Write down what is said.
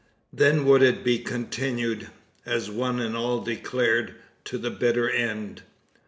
Then would it be continued as one and all declared, to the "bitter end."